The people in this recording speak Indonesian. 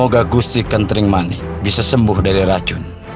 baik terima kasih